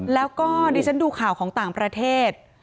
แล้วก็ดิฉันดูข่าวของต่างประเทศ